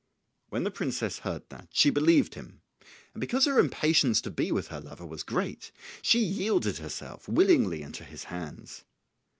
When the princess heard that, she believed him, and because her impatience to be with her lover was great, she yielded herself willingly into his hands.